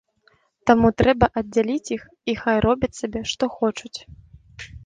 Таму трэба аддзяліць іх, і хай робяць сабе, што хочуць.